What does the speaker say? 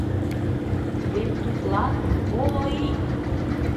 Вет тудлан коло ий!